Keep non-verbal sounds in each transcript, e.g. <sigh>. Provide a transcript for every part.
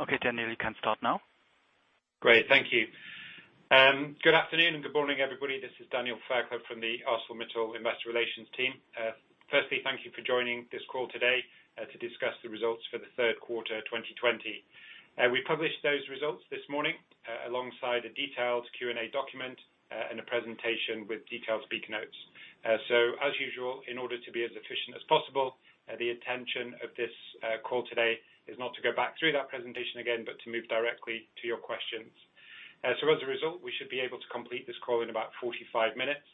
Okay, Daniel, you can start now. Great. Thank you. Good afternoon and good morning, everybody. This is Daniel Fairclough from the ArcelorMittal Investor Relations team. Firstly, thank you for joining this call today to discuss the results for the third quarter 2020. We published those results this morning, alongside a detailed Q&A document and a presentation with detailed speaker notes. As usual, in order to be as efficient as possible, the intention of this call today is not to go back through that presentation again, but to move directly to your questions. As a result, we should be able to complete this call in about 45-minutes.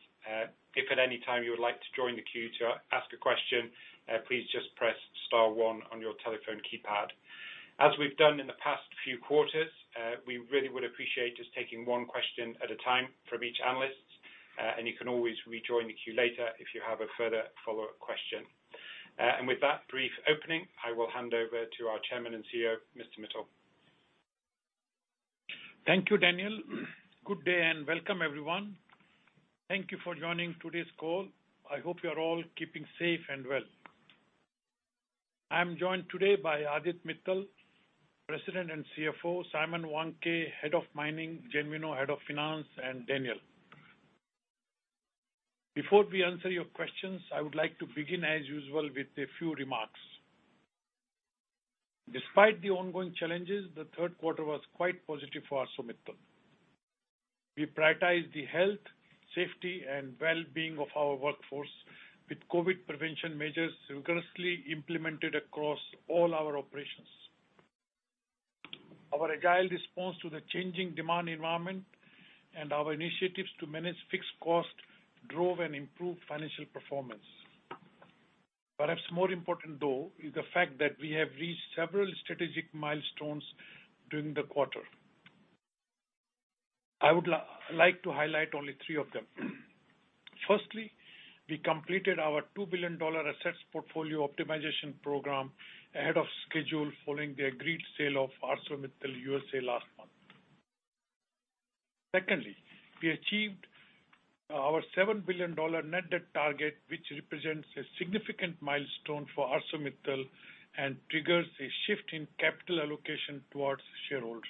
If at any time you would like to join the queue to ask a question, please just press star one on your telephone keypad. As we've done in the past few quarters, we really would appreciate just taking one question at a time from each analyst. You can always rejoin the queue later if you have a further follow-up question. With that brief opening, I will hand over to our Chairman and CEO, Lakshmi Mittal. Thank you, Daniel. Good day, welcome, everyone. Thank you for joining today's call. I hope you're all keeping safe and well. I am joined today by Aditya Mittal, President and Chief Financial Officer, Simon Wandke, Head of Mining, Genuino, Head of Finance, and Daniel. Before we answer your questions, I would like to begin, as usual, with a few remarks. Despite the ongoing challenges, the third quarter was quite positive for ArcelorMittal. We prioritize the health, safety, and well-being of our workforce with COVID prevention measures rigorously implemented across all our operations. Our agile response to the changing demand environment and our initiatives to manage fixed cost drove an improved financial performance. Perhaps more important, though, is the fact that we have reached several strategic milestones during the quarter. I would like to highlight only three of them. Firstly, we completed our $2 billion Assets Portfolio Optimization Program ahead of schedule following the agreed sale of ArcelorMittal USA last month. Secondly, we achieved our $7 billion net debt target, which represents a significant milestone for ArcelorMittal and triggers a shift in capital allocation towards shareholders.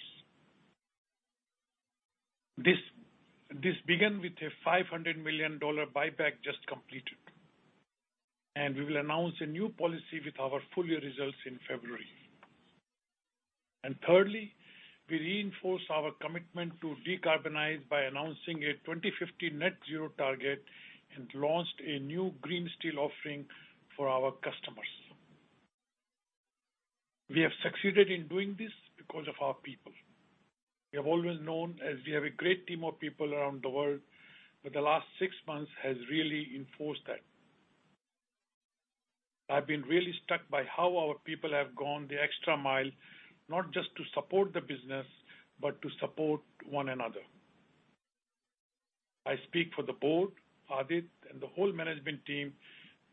This began with a $500 million buyback just completed, and we will announce a new policy with our full year results in February. Thirdly, we reinforce our commitment to decarbonize by announcing a 2050 net zero target and launched a new Green Steel Offering for our customers. We have succeeded in doing this because of our people. We have always known as we have a great team of people around the world, but the last six months has really reinforced that. I've been really struck by how our people have gone the extra mile, not just to support the business, but to support one another. I speak for the board, Aditya, and the whole management team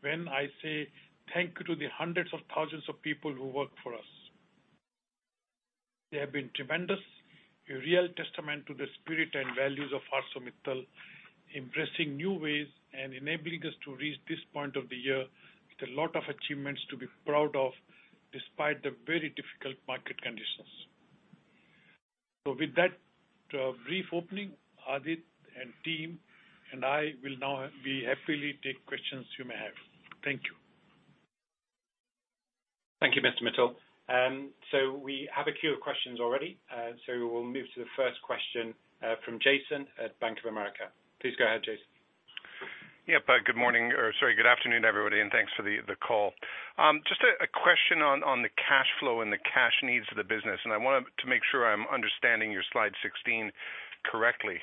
when I say thank you to the hundreds of thousands of people who work for us. They have been tremendous, a real testament to the spirit and values of ArcelorMittal, embracing new ways and enabling us to reach this point of the year with a lot of achievements to be proud of, despite the very difficult market conditions. With that brief opening, Aditya and team and I will now be happily take questions you may have. Thank you. Thank you, Mr. Mittal. We have a queue of questions already. We will move to the 1st question from Jason at Bank of America. Please go ahead, Jason. Yep. Good morning or sorry, good afternoon, everybody, and thanks for the call. Just a question on the cash flow and the cash needs of the business, and I want to make sure I'm understanding your slide 16 correctly.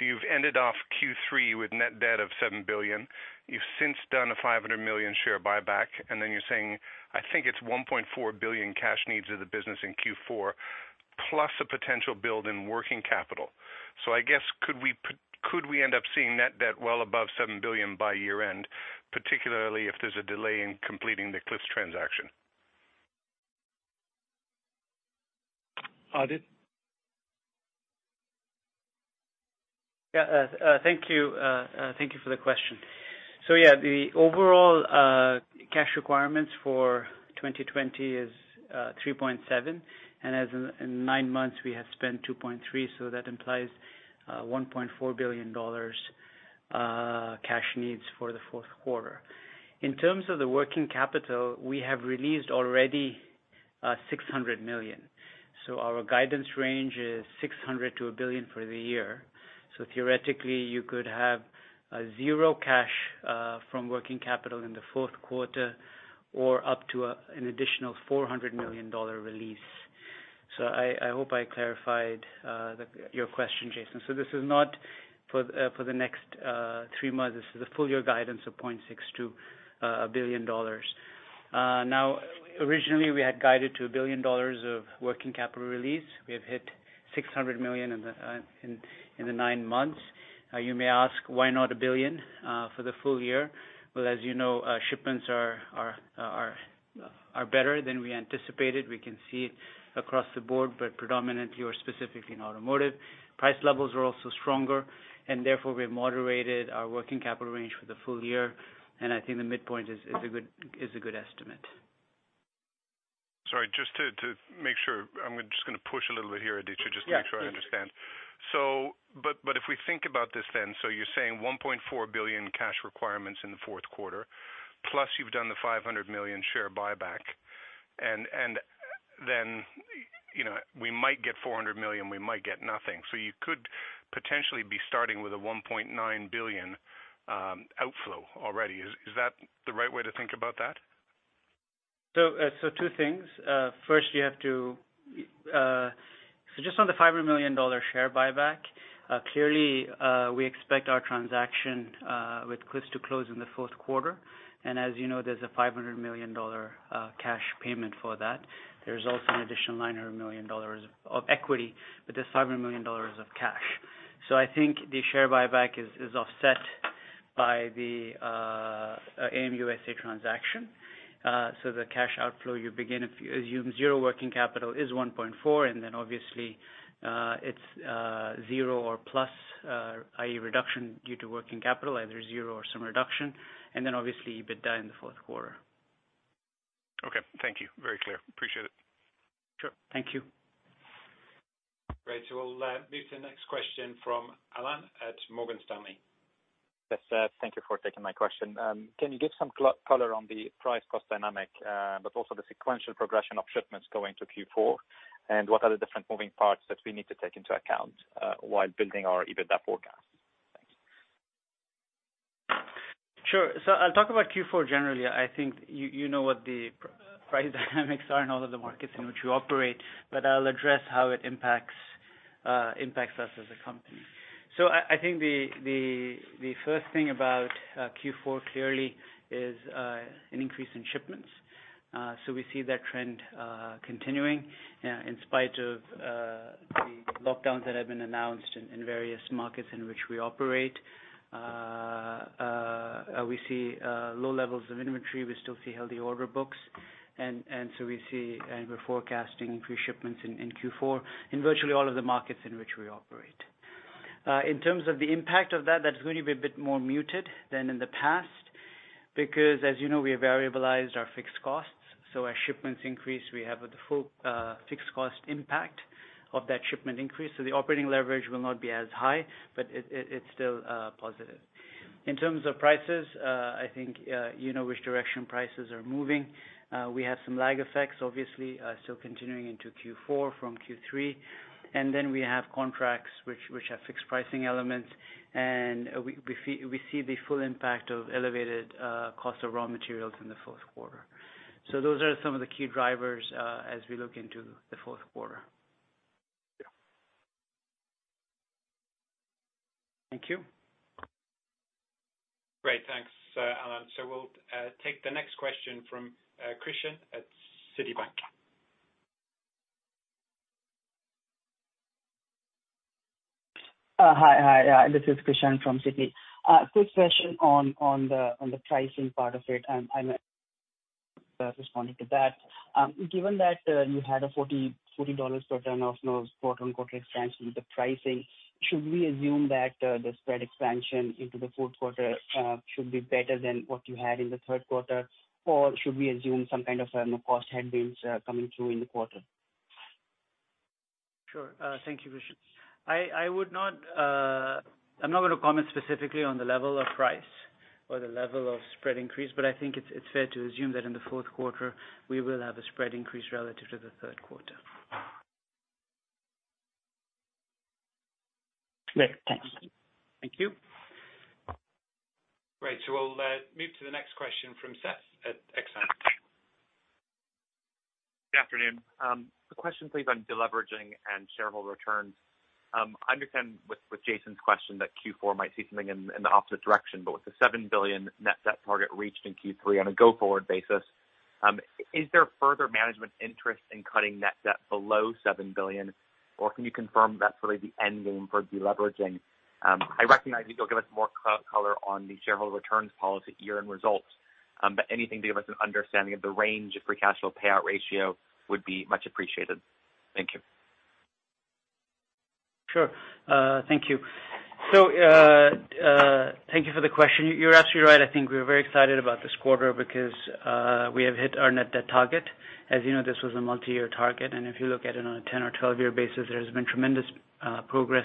You've ended off Q3 with net debt of $7 billion. You've since done a $500 million share buyback, and then you're saying, I think it's $1.4 billion cash needs of the business in Q4, plus a potential build in working capital. I guess could we end up seeing net debt well above $7 billion by year end, particularly if there's a delay in completing the Cliffs transaction? Aditya? Thank you for the question. The overall cash requirements for 2020 is $3.7 billion. In nine months we have spent $2.3 billion. That implies $1.4 billion cash needs for the fourth quarter. In terms of the working capital, we have released already $600 million. Our guidance range is $600 million-$1 billion for the year. Theoretically, you could have zero cash from working capital in the fourth quarter or up to an additional $400 million release. I hope I clarified your question, Jason. This is not for the next three months. This is a full year guidance of $0.62 billion. Originally, we had guided to $1 billion of working capital release. We have hit $600 million in the nine months. You may ask, why not $1 billion for the full year? Well, as you know, shipments are better than we anticipated. We can see it across the board, but predominantly or specifically in automotive. Price levels are also stronger. Therefore, we have moderated our working capital range for the full year. I think the midpoint is a good estimate. Sorry, just to make sure, I'm just going to push a little bit here, Aditya, just to make sure I understand. Yeah. If we think about this then, you're saying $1.4 billion cash requirements in the fourth quarter, plus you've done the $500 million share buyback, and then we might get $400 million, we might get nothing. You could potentially be starting with a $1.9 billion outflow already. Is that the right way to think about that? Two things. 1st, just on the $500 million share buyback, clearly, we expect our transaction with Cliffs to close in the fourth quarter. As you know, there's a $500 million cash payment for that. There's also an additional $900 million of equity, but there's $500 million of cash. I think the share buyback is offset by the AM USA transaction. The cash outflow, you begin, if you assume zero working capital is $1.4, and then obviously, it's zero or plus, i.e., reduction due to working capital, either zero or some reduction, and then obviously, EBITDA in the fourth quarter. Okay, thank you. Very clear. Appreciate it. Sure. Thank you. Great. We'll move to the next question from Alain at Morgan Stanley. Yes, sir. Thank you for taking my question. Can you give some color on the price-cost dynamic, but also the sequential progression of shipments going to Q4, and what are the different moving parts that we need to take into account while building our EBITDA forecast? Thank you. Sure. I'll talk about Q4 generally. I think you know what the price dynamics are in all of the markets in which we operate, but I'll address how it impacts us as a company. I think the 1st thing about Q4 clearly is an increase in shipments. We see that trend continuing in spite of the lockdowns that have been announced in various markets in which we operate. We see low levels of inventory. We still see healthy order books, and we're forecasting free shipments in Q4 in virtually all of the markets in which we operate. In terms of the impact of that is going to be a bit more muted than in the past because, as you know, we have variabilized our fixed costs. As shipments increase, we have the full fixed cost impact of that shipment increase. The operating leverage will not be as high, but it's still positive. In terms of prices, I think you know which direction prices are moving. We have some lag effects, obviously, still continuing into Q4 from Q3, and then we have contracts which have fixed pricing elements, and we see the full impact of elevated cost of raw materials in the fourth quarter. Those are some of the key drivers as we look into the fourth quarter. Yeah. Thank you. Great. Thanks, Alain. We'll take the next question from Krishan at Citibank. Hi. This is Krishan from Citibank. Quick question on the pricing part of it, and responding to that. Given that you had a $40 per ton of quarter-on-quarter expansion with the pricing, should we assume that the spread expansion into the fourth quarter should be better than what you had in the third quarter, or should we assume some kind of cost headwinds coming through in the quarter? Sure. Thank you, Krishan. I'm not going to comment specifically on the level of price or the level of spread increase, but I think it's fair to assume that in the fourth quarter, we will have a spread increase relative to the third quarter. Great. Thanks. Thank you. Great. We'll move to the next question from Seth at Exane. Good afternoon. A question, please, on deleveraging and shareholder returns. I understand with Jason's question that Q4 might see something in the opposite direction, but with the $7 billion net debt target reached in Q3 on a go-forward basis, is there further management interest in cutting net debt below $7 billion, or can you confirm that's really the end game for deleveraging? I recognize you'll give us more color on the shareholder returns policy year-end results, but anything to give us an understanding of the range of free cash flow payout ratio would be much appreciated. Thank you. Sure. Thank you. Thank you for the question. You're absolutely right. I think we are very excited about this quarter because we have hit our net debt target. As you know, this was a multi-year target, and if you look at it on a 10 or 12-year basis, there has been tremendous progress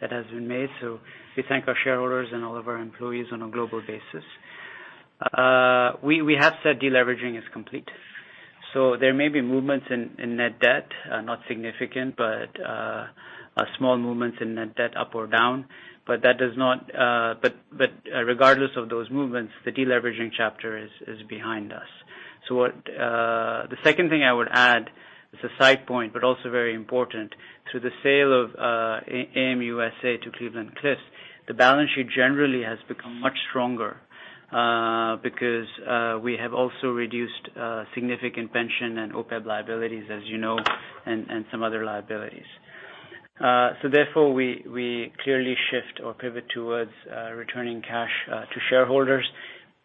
that has been made. We thank our shareholders and all of our employees on a global basis. We have said deleveraging is complete. There may be movements in net debt, not significant, but small movements in net debt up or down. Regardless of those movements, the deleveraging chapter is behind us. The 2nd thing I would add is a side point, but also very important. Through the sale of AM USA to Cleveland-Cliffs, the balance sheet generally has become much stronger, because we have also reduced significant pension and OPEB liabilities, as you know, and some other liabilities. Therefore, we clearly shift or pivot towards returning cash to shareholders.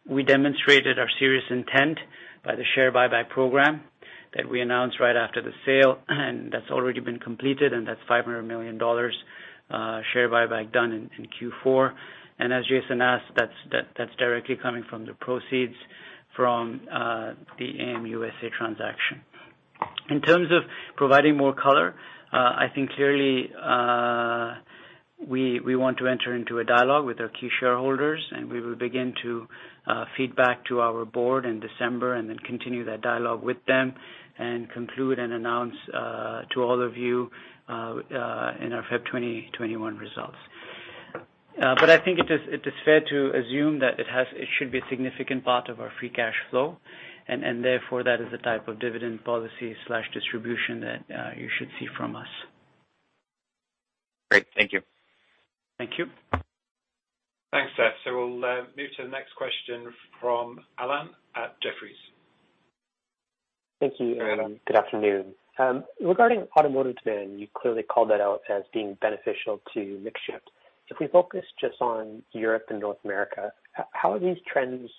We demonstrated our serious intent by the share buyback program that we announced right after the sale, and that's already been completed, and that's $500 million share buyback done in Q4. As Jason asked, that's directly coming from the proceeds from the AM USA transaction. In terms of providing more color, I think clearly, we want to enter into a dialogue with our key shareholders, and we will begin to feedback to our board in December and then continue that dialogue with them and conclude and announce to all of you in our February 2021 results. I think it is fair to assume that it should be a significant part of our free cash flow, and therefore, that is the type of dividend policy/distribution that you should see from us. Great. Thank you. Thank you. Thanks, Seth. We'll move to the next question from Alan at Jefferies. Thank you, Alan. Good afternoon. Regarding automotive demand, you clearly called that out as being beneficial to mix shift. If we focus just on Europe and North America, how have these trends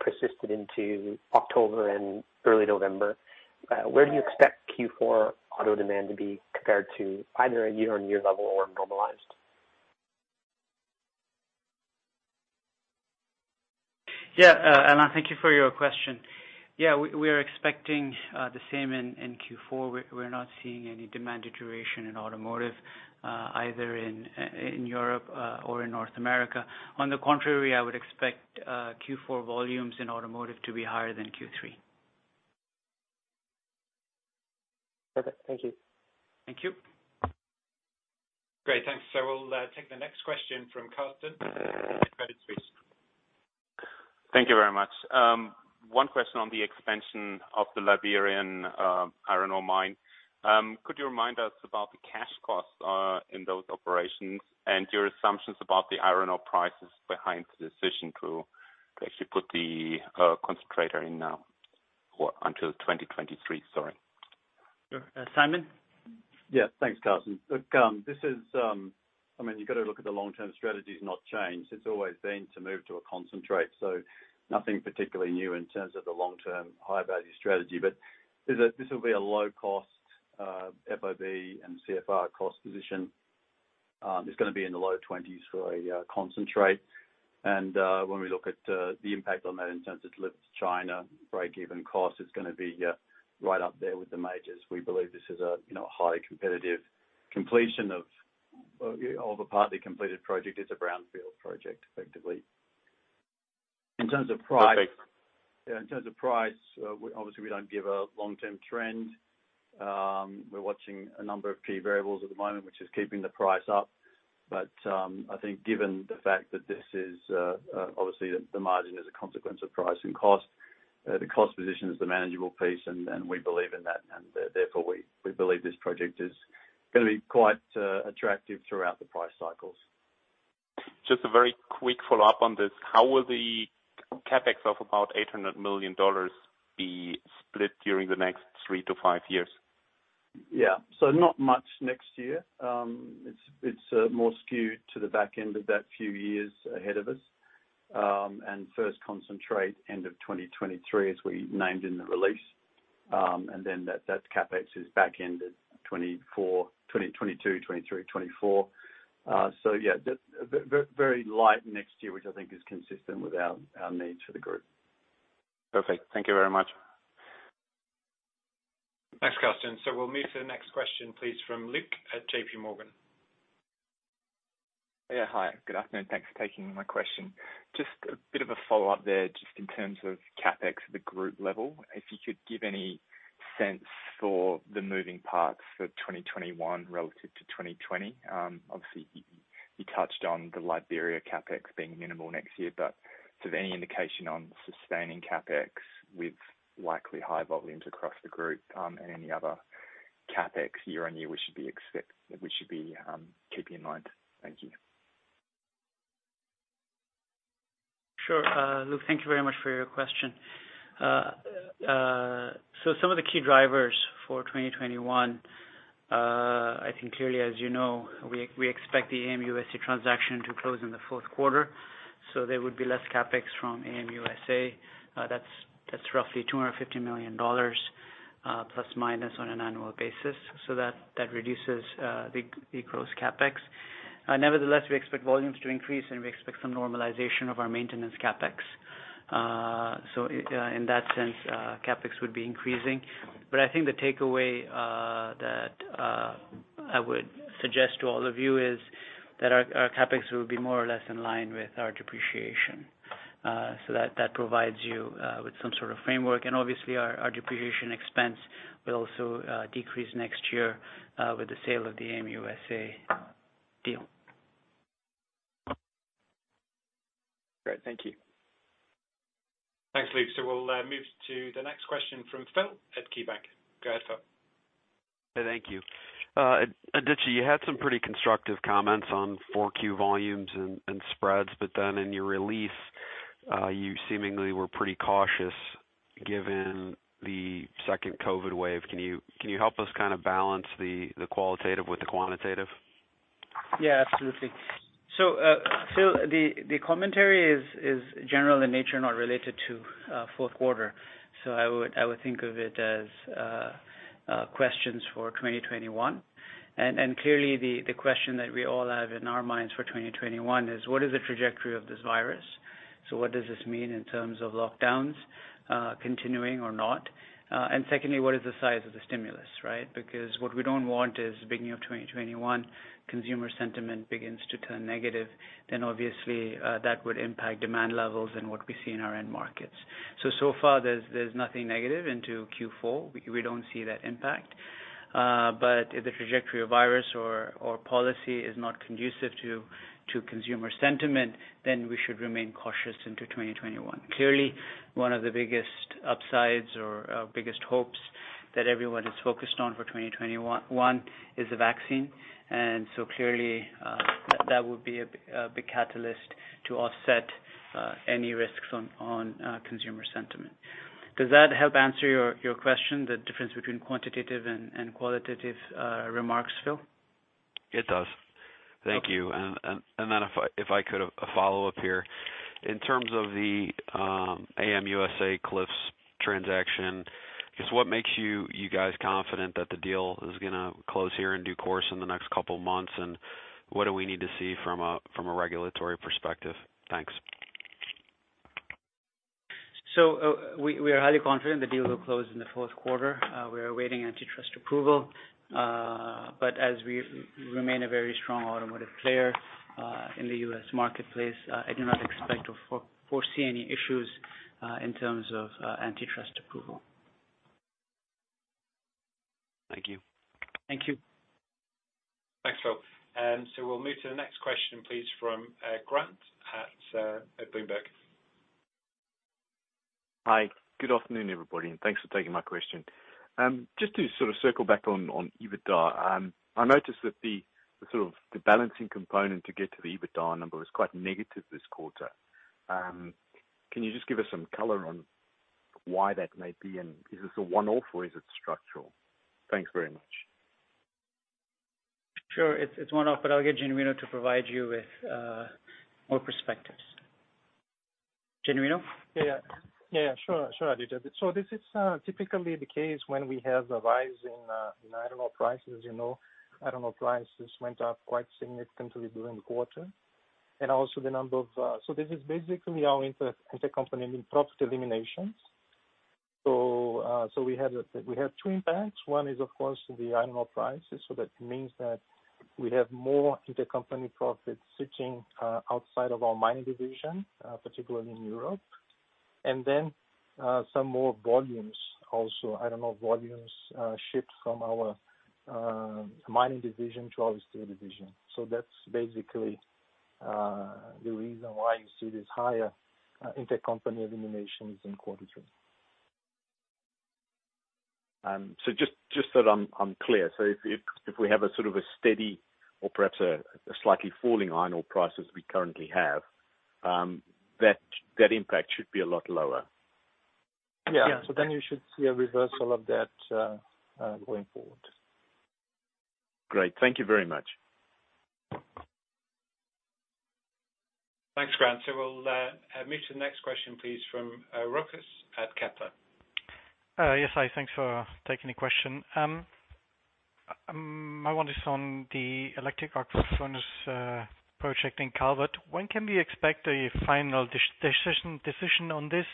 persisted into October and early November? Where do you expect Q4 auto demand to be compared to either a year-on-year level or normalized? Yeah. Alan, thank you for your question. We are expecting the same in Q4. We're not seeing any demand deterioration in automotive, either in Europe or in North America. On the contrary, I would expect Q4 volumes in automotive to be higher than Q3. Perfect. Thank you. Thank you. Great. Thanks. We'll take the next question from Carsten at Credit Suisse. Thank you very much. One question on the expansion of the Liberian iron ore mine. Could you remind us about the cash costs in those operations and your assumptions about the iron ore prices behind the decision to actually put the concentrator in now or until 2023? Sorry. Sure. Simon? Thanks, Carsten. You've got to look at the long-term strategy has not changed. It's always been to move to a concentrate. Nothing particularly new in terms of the long-term high-value strategy. This will be a low cost FOB and CFR cost position. It's going to be in the low 20s for a concentrate. When we look at the impact on that in terms of lift to China, break-even cost is going to be right up there with the majors. We believe this is a highly competitive completion of a partly completed project. It's a brownfield project, effectively. Perfect. Yeah. In terms of price, obviously we don't give a long-term trend. We're watching a number of key variables at the moment, which is keeping the price up. I think given the fact that obviously the margin is a consequence of price and cost, the cost position is the manageable piece, and we believe in that, and therefore we believe this project is going to be quite attractive throughout the price cycles. Just a very quick follow-up on this. How will the CapEx of about $800 million be split during the next three to five years? Yeah. Not much next year. It's more skewed to the back end of that few years ahead of us. First concentrate end of 2023, as we named in the release. That CapEx is back ended 2024, 2022, 2023, 2024. Yeah, very light next year, which I think is consistent with our needs for the group. Perfect. Thank you very much. Thanks, Carsten. We'll move to the next question, please, from Luke at JP Morgan. Hi, good afternoon. Thanks for taking my question. Just a bit of a follow-up there, just in terms of CapEx at the group level. If you could give any sense for the moving parts for 2021 relative to 2020. Obviously, you touched on the Liberia CapEx being minimal next year, but sort of any indication on sustaining CapEx with likely high volumes across the group, and any other CapEx year-on-year we should be keeping in mind. Thank you. Sure. Luke, thank you very much for your question. Some of the key drivers for 2021, I think clearly, as you know, we expect the AM USA transaction to close in the fourth quarter, so there would be less CapEx from AM USA. That's roughly $250 million plus minus on an annual basis. That reduces the gross CapEx. Nevertheless, we expect volumes to increase, and we expect some normalization of our maintenance CapEx. In that sense, CapEx would be increasing. I think the takeaway that I would suggest to all of you is that our CapEx will be more or less in line with our depreciation. That provides you with some sort of framework. Obviously our depreciation expense will also decrease next year with the sale of the AM USA deal. Great. Thank you. Thanks, Luke. We'll move to the next question from Phil at KeyBanc. Go ahead, Phil. Thank you. Aditya, you had some pretty constructive comments on 4Q volumes and spreads, in your release, you seemingly were pretty cautious given the second COVID wave. Can you help us balance the qualitative with the quantitative? Absolutely. Phil, the commentary is general in nature, not related to fourth quarter. I would think of it as questions for 2021. Clearly the question that we all have in our minds for 2021 is what is the trajectory of this virus? What does this mean in terms of lockdowns continuing or not? Secondly, what is the size of the stimulus, right? Because what we don't want is beginning of 2021, consumer sentiment begins to turn negative, then obviously, that would impact demand levels and what we see in our end markets. So far there's nothing negative into Q4. We don't see that impact. If the trajectory of virus or policy is not conducive to consumer sentiment, we should remain cautious into 2021. One of the biggest upsides or biggest hopes that everyone is focused on for 2021 is the vaccine. Clearly, that would be a big catalyst to offset any risks on consumer sentiment. Does that help answer your question, the difference between quantitative and qualitative remarks, Phil? It does. Thank you. If I could, a follow-up here. In terms of the AM USA Cliffs transaction, just what makes you guys confident that the deal is going to close here in due course in the next couple of months, and what do we need to see from a regulatory perspective? Thanks. We are highly confident the deal will close in the fourth quarter. We are awaiting antitrust approval. As we remain a very strong automotive player in the U.S. marketplace, I do not expect or foresee any issues in terms of antitrust approval. Thank you. Thank you. Thanks, Phil. We'll move to the next question, please, from Grant at Bloomberg. Hi. Good afternoon, everybody, and thanks for taking my question. Just to sort of circle back on EBITDA. I noticed that the balancing component to get to the EBITDA number was quite negative this quarter. Can you just give us some color on why that may be, and is this a one-off or is it structural? Thanks very much. Sure. It's one-off, but I'll get Genuino to provide you with more perspectives. Genuino? Yeah. Sure, Aditya. This is typically the case when we have a rise in iron ore prices. Iron ore prices went up quite significantly during the quarter. This is basically our intercompany profit eliminations. We have two impacts. One is, of course, the iron ore prices. That means that we have more intercompany profits sitting outside of our mining division, particularly in Europe. Some more volumes also. Iron ore volumes shipped from our mining division to our steel division. That's basically the reason why you see these higher intercompany eliminations in quarter three. Just so I'm clear. If we have a sort of a steady or perhaps a slightly falling iron ore prices we currently have, that impact should be a lot lower? You should see a reversal of that going forward. Great. Thank you very much. Thanks, Grant. We'll move to the next question, please, from Rochus at Kepler. Yes. Hi, thanks for taking the question. My one is on the electric arc furnace project in Calvert. When can we expect a final decision on this?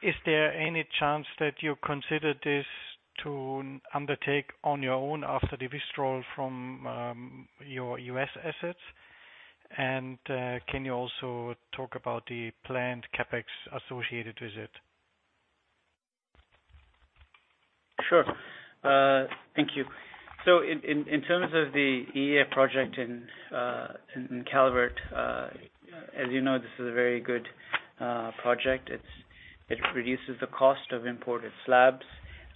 Is there any chance that you consider this to undertake on your own after the withdrawal from your U.S. assets? Can you also talk about the planned CapEx associated with it? Sure. Thank you. In terms of the EAF project in Calvert, as you know, this is a very good project. It reduces the cost of imported slabs,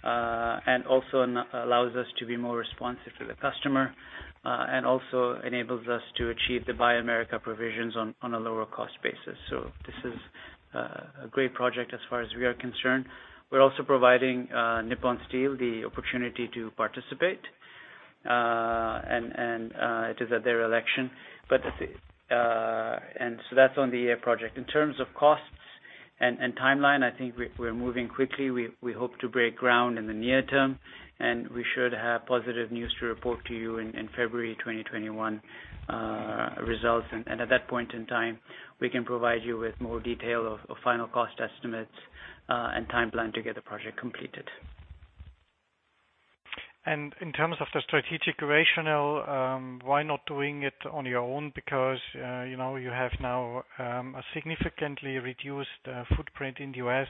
and also allows us to be more responsive to the customer, and also enables us to achieve the Buy America provisions on a lower cost basis. This is a great project as far as we are concerned. We're also providing Nippon Steel the opportunity to participate, and it is at their election. That's on the EAF project. In terms of costs and timeline, I think we're moving quickly. We hope to break ground in the near term, and we should have positive news to report to you in February 2021 results. At that point in time, we can provide you with more detail of final cost estimates, and timeline to get the project completed. In terms of the strategic rationale, why not doing it on your own? Because you have now a significantly reduced footprint in the U.S.,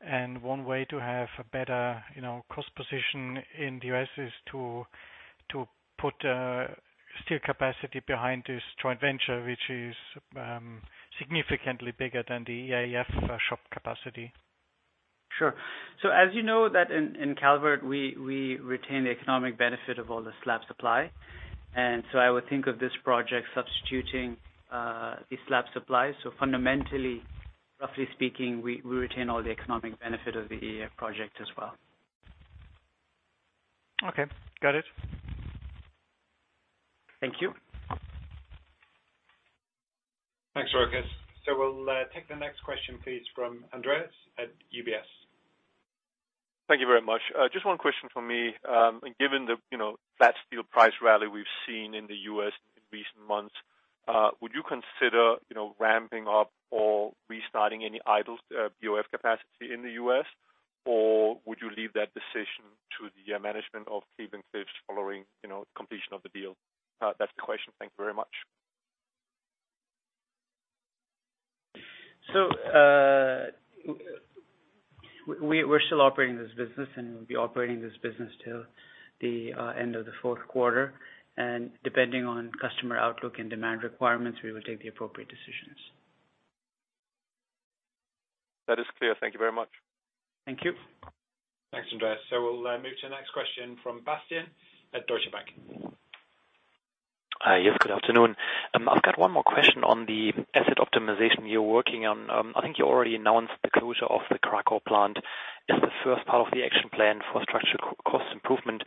and one way to have a better cost position in the U.S. is to put steel capacity behind this joint venture, which is significantly bigger than the EAF shop capacity. Sure. As you know that in Calvert, we retain the economic benefit of all the slab supply. I would think of this project substituting the slab supply. Fundamentally, roughly speaking, we retain all the economic benefit of the EAF project as well. Okay. Got it. Thank you. Thanks, Rochus. We'll take the next question, please, from Andreas at UBS. Thank you very much. Just one question from me. Given the flat steel price rally we've seen in the U.S. in recent months, would you consider ramping up or restarting any idle BOF capacity in the U.S.? Or would you leave that decision to the management of Cleveland-Cliffs following completion of the deal? That's the question. Thank you very much. We're still operating this business, and we'll be operating this business till the end of the fourth quarter. Depending on customer outlook and demand requirements, we will take the appropriate decisions. That is clear. Thank you very much. Thank you. Thanks, Andreas. We'll move to the next question from Bastian at Deutsche Bank. Yes, good afternoon. I've got one more question on the asset optimization you're working on. I think you already announced the closure of the Kraków plant as the 1st part of the action plan for structural cost improvement.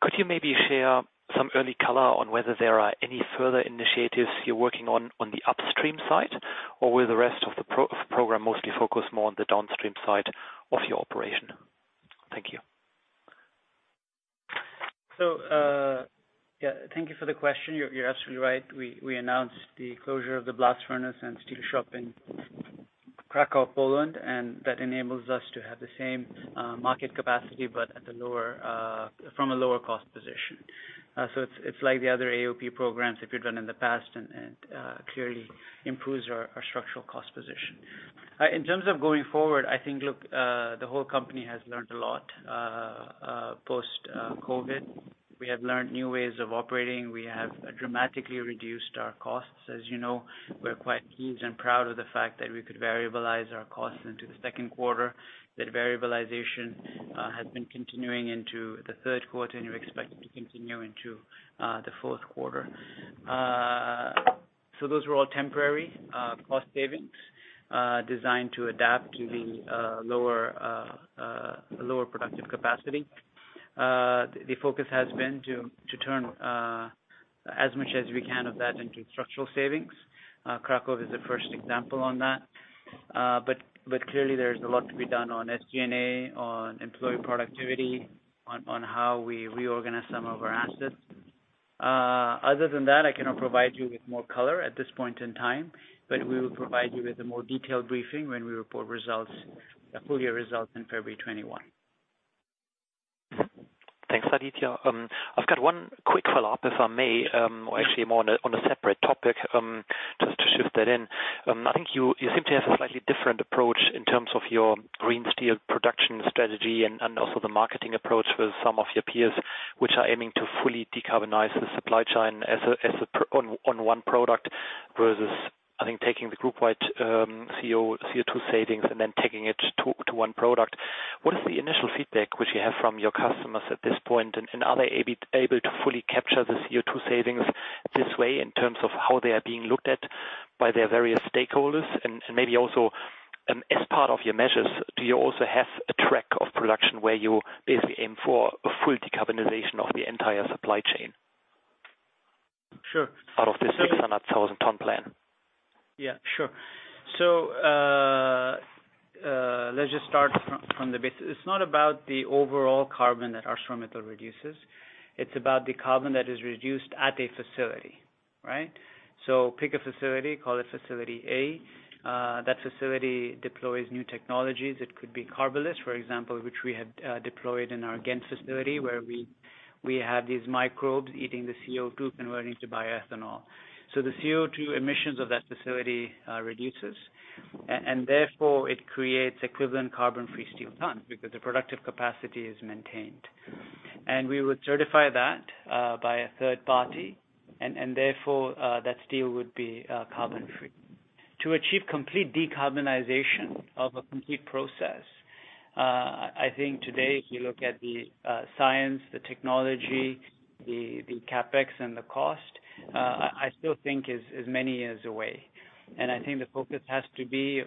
Could you maybe share some early color on whether there are any further initiatives you're working on the upstream side? Will the rest of the program mostly focus more on the downstream side of your operation? Thank you. Yeah. Thank you for the question. You're absolutely right. We announced the closure of the blast furnace and steel shop in Kraków, Poland. That enables us to have the same market capacity, but from a lower cost position. It's like the other AOP programs that we've done in the past and clearly improves our structural cost position. In terms of going forward, I think, look, the whole company has learned a lot post-COVID. We have learned new ways of operating. We have dramatically reduced our costs. As you know, we're quite pleased and proud of the fact that we could variabilize our costs into the second quarter. That variabilization has been continuing into the third quarter. We expect it to continue into the fourth quarter. Those were all temporary cost savings designed to adapt to the lower productive capacity. The focus has been to turn as much as we can of that into structural savings. Kraków is the 1st example on that. Clearly, there's a lot to be done on SG&A, on employee productivity, on how we reorganize some of our assets. Other than that, I cannot provide you with more color at this point in time, but we will provide you with a more detailed briefing when we report full year results in February 2021. Thanks, Aditya. I've got one quick follow-up, if I may. Actually, more on a separate topic, just to shift that in. I think you seem to have a slightly different approach in terms of your green steel production strategy and also the marketing approach with some of your peers, which are aiming to fully decarbonize the supply chain on one product versus, I think, taking the group wide CO2 savings and then taking it to one product. What is the initial feedback which you have from your customers at this point? Are they able to fully capture the CO2 savings this way in terms of how they are being looked at by their various stakeholders? Maybe also, as part of your measures, do you also have a track of production where you basically aim for a full decarbonization of the entire supply chain? Sure. Out of this 600,000 ton plan. Yeah. Sure. Let's just start from the basic. It's not about the overall carbon that ArcelorMittal reduces. It's about the carbon that is reduced at a facility. Right? Pick a facility, call it facility A. That facility deploys new technologies. It could be Carbalyst, for example, which we have deployed in our Ghent facility, where we have these microbes eating the CO2 converting to bioethanol. The CO2 emissions of that facility reduces, and therefore it creates equivalent carbon free steel ton because the productive capacity is maintained. We would certify that by a third party, and therefore, that steel would be carbon free. To achieve complete decarbonization of a complete process, I think today, if you look at the science, the technology, the CapEx and the cost, I still think is many years away. I think the focus has to be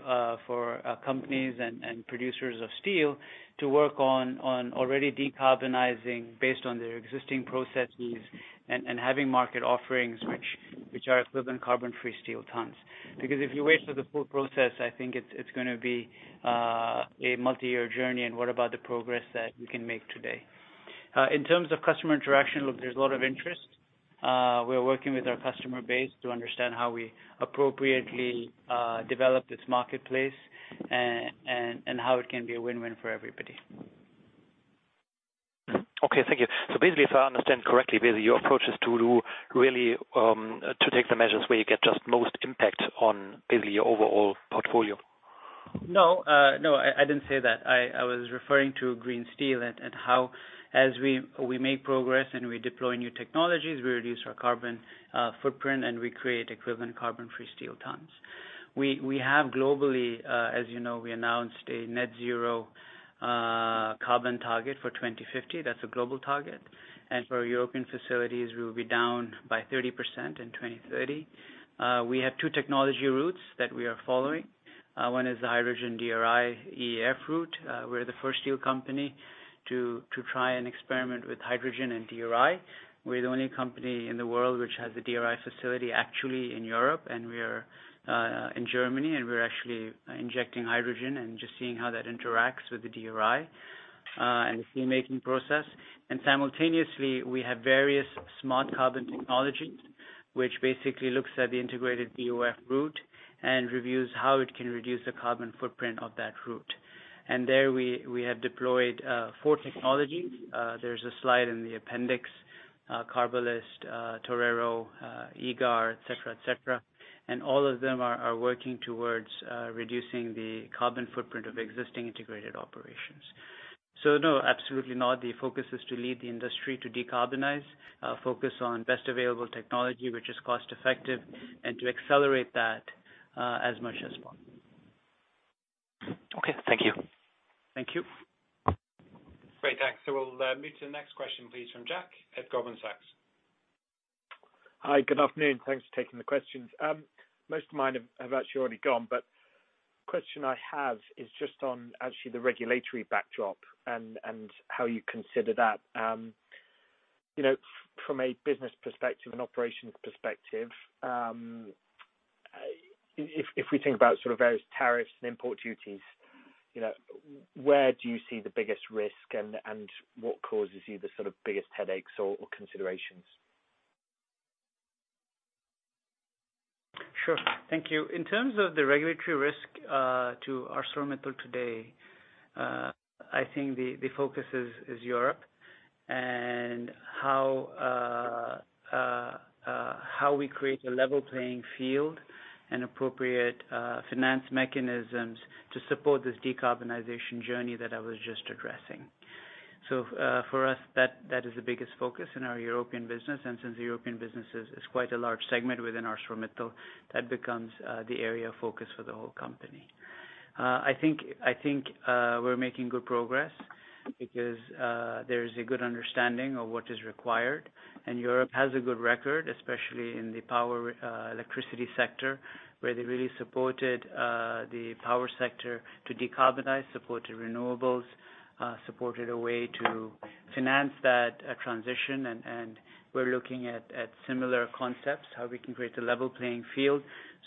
for companies and producers of steel to work on already decarbonizing based on their existing processes and having market offerings which are equivalent carbon free steel tons. If you wait for the full process, I think it's gonna be a multi-year journey. What about the progress that we can make today? In terms of customer interaction, look, there's a lot of interest. We're working with our customer base to understand how we appropriately develop this marketplace and how it can be a win-win for everybody. Okay. Thank you. Basically, if I understand correctly, basically your approach is to take the measures where you get just most impact on basically your overall portfolio. No. I didn't say that. I was referring to green steel and how as we make progress and we deploy new technologies, we reduce our carbon footprint and we create equivalent carbon-free steel tons. We have globally, as you know, we announced a net zero carbon target for 2050. That's a global target. For European facilities, we will be down by 30% in 2030. We have two technology routes that we are following. One is the hydrogen DRI-EAF route. We're the 1st steel company to try and experiment with hydrogen and DRI. We're the only company in the world which has a DRI facility actually in Europe, and we are in Germany, and we're actually injecting hydrogen and just seeing how that interacts with the DRI and the steel-making process. Simultaneously, we have various smart carbon technologies, which basically looks at the integrated BOF route and reviews how it can reduce the carbon footprint of that route. There we have deployed four technologies. There's a slide in the appendix, Carbalyst, Torero, IGAR, et cetera. All of them are working towards reducing the carbon footprint of existing integrated operations. No, absolutely not. The focus is to lead the industry to decarbonize, focus on best available technology which is cost effective, and to accelerate that as much as possible. Okay. Thank you. Thank you. Great. Thanks. We'll move to the next question, please from Jack at Goldman Sachs. Hi. Good afternoon. Thanks for taking the questions. Most of mine have actually already gone, but the question I have is just on actually the regulatory backdrop and how you consider that. From a business perspective and operations perspective, if we think about various tariffs and import duties, where do you see the biggest risk and what causes you the biggest headaches or considerations? Sure. Thank you. In terms of the regulatory risk to ArcelorMittal today, I think the focus is Europe and how we create a level playing field and appropriate finance mechanisms to support this decarbonization journey that I was just addressing. For us, that is the biggest focus in our European business. Since the European business is quite a large segment within ArcelorMittal, that becomes the area of focus for the whole company. I think we're making good progress because there is a good understanding of what is required, and Europe has a good record, especially in the power electricity sector, where they really supported the power sector to decarbonize, supported renewables, supported a way to finance that transition. We're looking at similar concepts, how we can create a level playing field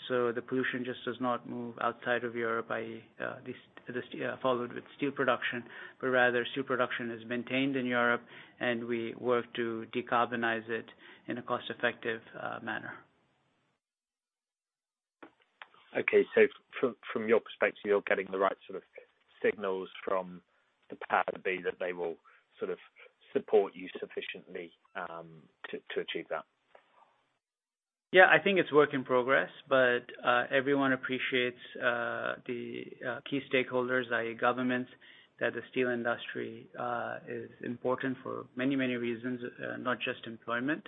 so the pollution just does not move outside of Europe by this, followed with steel production, but rather steel production is maintained in Europe and we work to decarbonize it in a cost-effective manner. Okay. From your perspective, you're getting the right sort of signals from the BOF that they will sort of support you sufficiently to achieve that? I think it's work in progress, but everyone appreciates the key stakeholders, i.e. governments, that the steel industry is important for many reasons, not just employment.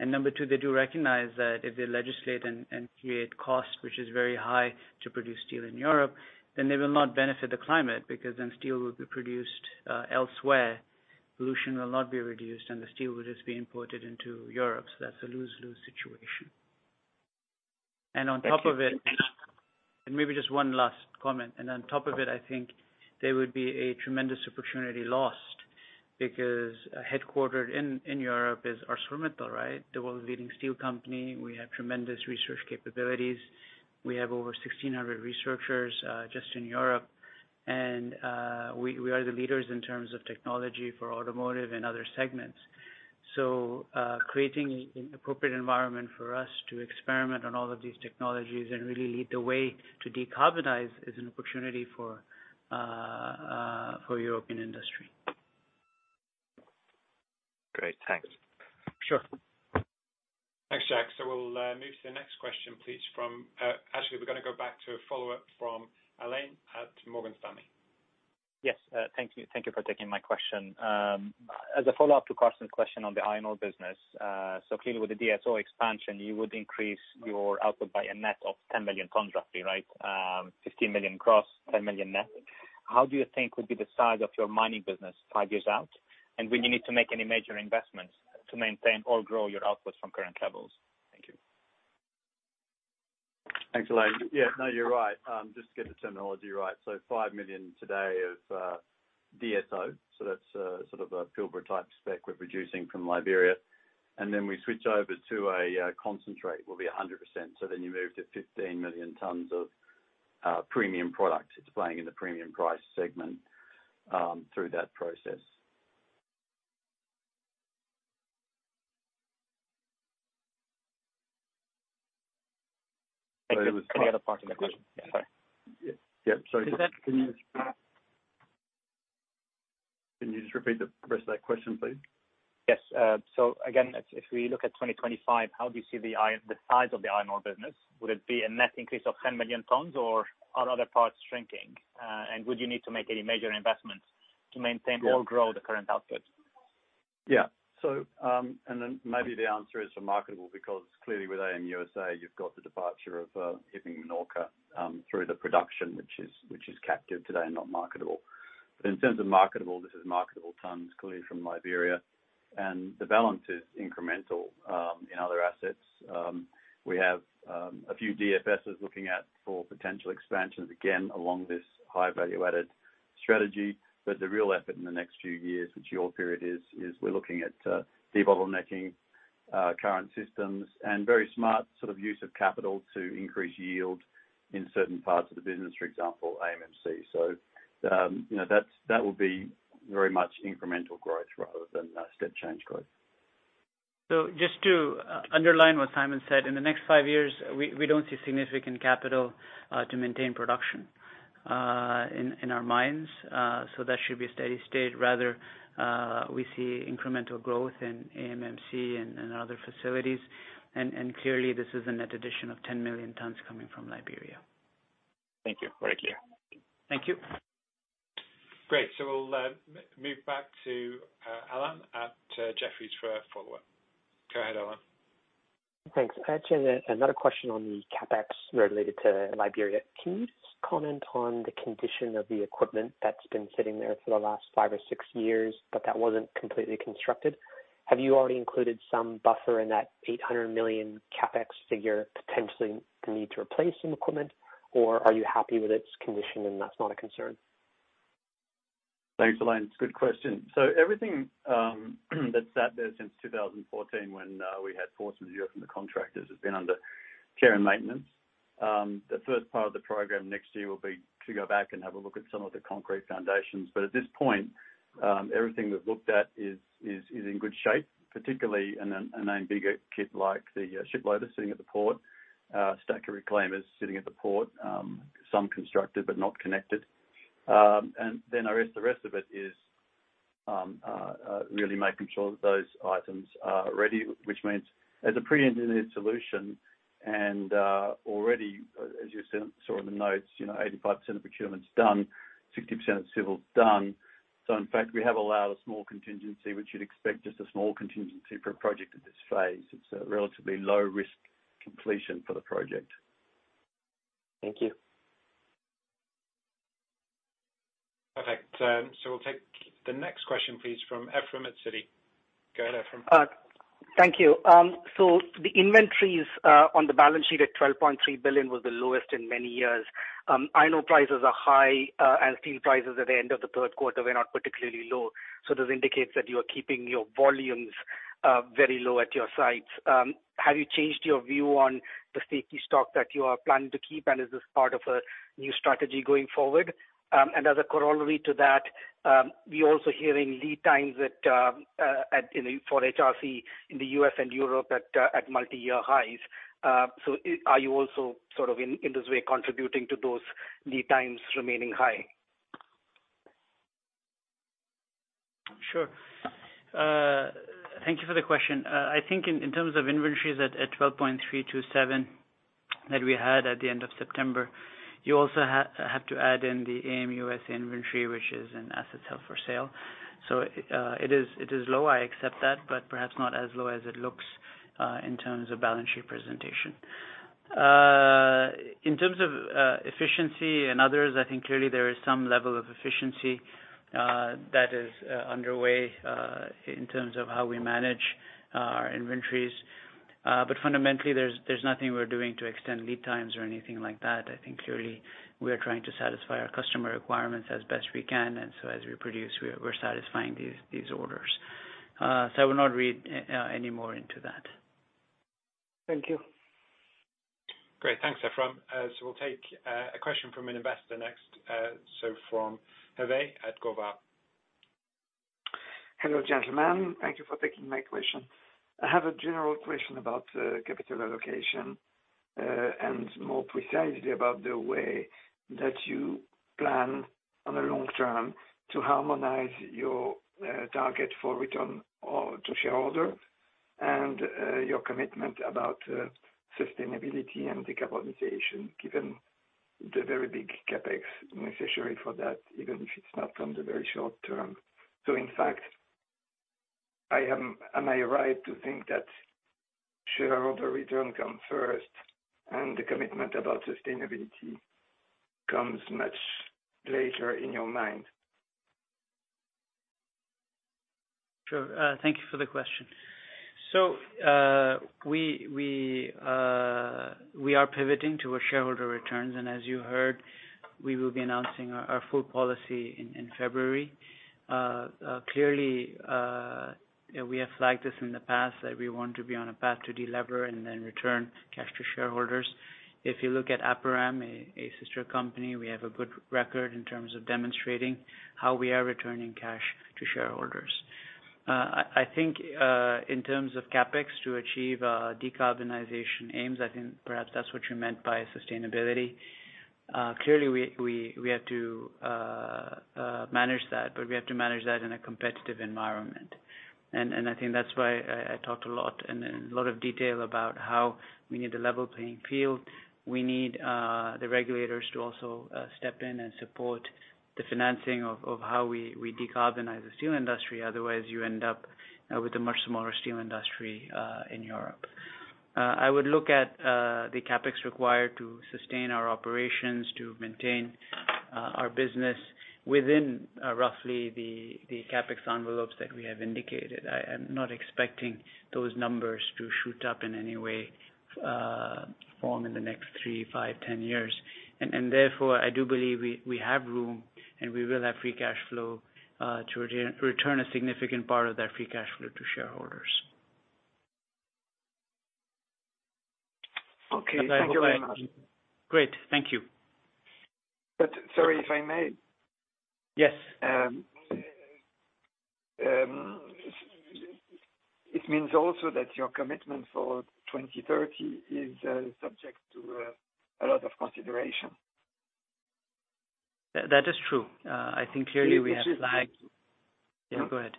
Number two, they do recognize that if they legislate and create cost, which is very high to produce steel in Europe, then they will not benefit the climate because then steel will be produced elsewhere. Pollution will not be reduced, the steel will just be imported into Europe. That's a lose-lose situation. On top of it. Thank you. Maybe just one last comment. On top of it, I think there would be a tremendous opportunity lost because headquartered in Europe is ArcelorMittal, right? The world's leading steel company. We have tremendous research capabilities. We have over 1,600 researchers just in Europe. We are the leaders in terms of technology for automotive and other segments. Creating an appropriate environment for us to experiment on all of these technologies and really lead the way to decarbonize is an opportunity for European industry. Great. Thanks. Sure. Thanks, Jack. We'll move to the next question, please, from Actually, we're gonna go back to a follow-up from Alain at Morgan Stanley. Yes. Thank you for taking my question. As a follow-up to Carsten's question on the iron ore business. Clearly with the DSO expansion, you would increase your output by a net of 10 million tons roughly, right? 15 million gross, 10 million net. How do you think would be the size of your mining business five years out? When you need to make any major investments to maintain or grow your outputs from current levels? Thank you. Thanks, Alain. Yeah. No, you're right. Just to get the terminology right. 5 million today of DSO. That's sort of a Pilbara type spec we're producing from Liberia. We switch over to a concentrate will be 100%. You move to 15 million tons of premium product. It's playing in the premium price segment, through that process. Thank you. Can I add a question? Sorry. Yeah. Sorry. Go ahead. Can you just repeat the rest of that question, please? Yes. Again, if we look at 2025, how do you see the size of the iron ore business? Would it be a net increase of 10 million tons, or are other parts shrinking? Would you need to make any major investments to maintain or grow the current output? Yeah. Maybe the answer is for marketable, because clearly with AM USA, you've got the departure of Hibbing, Minorca through the production, which is captive today and not marketable. In terms of marketable, this is marketable tons clearly from Liberia, and the balance is incremental in other assets. We have a few DFSs looking at for potential expansions, again, along this high value-added strategy. The real effort in the next few years, which your period is we're looking at debottlenecking current systems and very smart use of capital to increase yield in certain parts of the business, for example, AMMC. That will be very much incremental growth rather than step change growth. Just to underline what Simon said, in the next five years, we don't see significant capital to maintain production in our mines. That should be a steady state. Rather, we see incremental growth in AMMC and other facilities. Clearly this is a net addition of 10 million tons coming from Liberia. Thank you. Very clear. Thank you. Great. We'll move back to Alan at Jefferies for a follow-up. Go ahead, Alan. Thanks. I had another question on the CapEx related to Liberia. Can you just comment on the condition of the equipment that's been sitting there for the last five or six years, but that wasn't completely constructed? Have you already included some buffer in that $800 million CapEx figure, potentially the need to replace some equipment, or are you happy with its condition and that's not a concern? Thanks, Alan. It's a good question. Everything that is sat there since 2014 when we had force majeure from the contractors has been under care and maintenance. The 1st part of the program next year will be to go back and have a look at some of the concrete foundations. At this point, everything we have looked at is in good shape, particularly in a bigger kit like the ship loader sitting at the port, stacker reclaimers sitting at the port. Some constructed but not connected. I guess the rest of it is really making sure that those items are ready, which means there is a pre-engineered solution and already, as you saw in the notes, 85% of procurement is done, 60% of civil is done. In fact, we have allowed a small contingency, which you would expect just a small contingency for a project at this phase. It's a relatively low-risk completion for the project. Thank you. Perfect. We'll take the next question, please, from Ephrem at Citi. Go ahead, Ephrem. Thank you. The inventories on the balance sheet at 12.3 billion was the lowest in many years. I know prices are high and steel prices at the end of the third quarter were not particularly low. This indicates that you are keeping your volumes very low at your sites. Have you changed your view on the safety stock that you are planning to keep, and is this part of a new strategy going forward? As a corollary to that, we also hearing lead times for HRC in the U.S. and Europe at multi-year highs. Are you also in this way contributing to those lead times remaining high? Sure. Thank you for the question. I think in terms of inventories at 12.327 that we had at the end of September, you also have to add in the AM USA inventory, which is an asset held for sale. It is low, I accept that, perhaps not as low as it looks in terms of balance sheet presentation. In terms of efficiency and others, I think clearly there is some level of efficiency that is underway, in terms of how we manage our inventories. Fundamentally, there's nothing we're doing to extend lead times or anything like that. I think clearly we are trying to satisfy our customer requirements as best we can, as we produce, we're satisfying these orders. I will not read any more into that. Thank you. Great. Thanks, Ephrem. We'll take a question from an investor next, from Herve at Govar. Hello, gentlemen. Thank you for taking my question. I have a general question about capital allocation, and more precisely about the way that you plan on a long term to harmonize your target for return to shareholders and your commitment about sustainability and decarbonization, given the very big CapEx necessary for that, even if it's not from the very short term. In fact, am I right to think that shareholder return come first and the commitment about sustainability comes much later in your mind? Sure. Thank you for the question. We are pivoting to a shareholder returns, and as you heard, we will be announcing our full policy in February. Clearly, we have flagged this in the past that we want to be on a path to delever and then return cash to shareholders. If you look at Aperam, a sister company, we have a good record in terms of demonstrating how we are returning cash to shareholders. I think, in terms of CapEx to achieve decarbonization aims, I think perhaps that's what you meant by sustainability. Clearly, we have to manage that, but we have to manage that in a competitive environment. I think that's why I talked a lot, in a lot of detail, about how we need a level playing field. We need the regulators to also step in and support the financing of how we decarbonize the steel industry. Otherwise, you end up with a much smaller steel industry in Europe. I would look at the CapEx required to sustain our operations, to maintain our business within roughly the CapEx envelopes that we have indicated. I am not expecting those numbers to shoot up in any way, form in the next three, five, 10 years. Therefore, I do believe we have room, and we will have free cash flow to return a significant part of that free cash flow to shareholders. Okay. Thank you very much. Great. Thank you. Sorry, if I may. Yes. It means also that your commitment for 2030 is subject to a lot of consideration. That is true. I think clearly we have. Which is- Yeah, go ahead.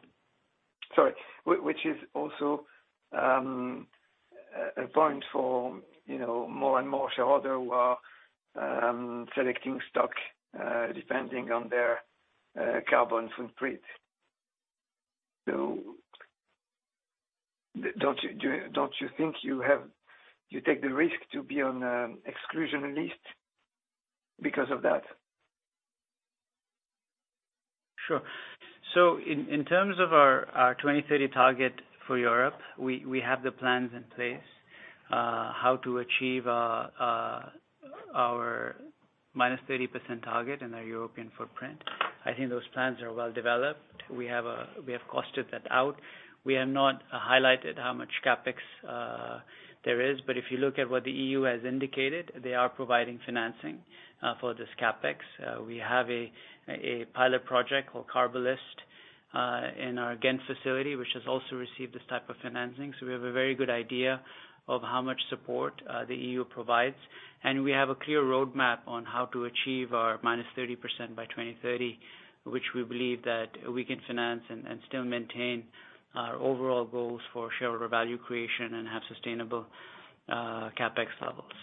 Sorry. Which is also a point for more and more shareholders who are selecting stock depending on their carbon footprint. Don't you think you take the risk to be on an exclusion list because of that? Sure. In terms of our 2030 target for Europe, we have the plans in place how to achieve our -30% target in our European footprint. I think those plans are well developed. We have costed that out. We have not highlighted how much CapEx there is, but if you look at what the EU has indicated, they are providing financing for this CapEx. We have a pilot project called Carbalyst in our Ghent facility, which has also received this type of financing. We have a very good idea of how much support the EU provides, and we have a clear roadmap on how to achieve our -30% by 2030, which we believe that we can finance and still maintain our overall goals for shareholder value creation and have sustainable CapEx levels.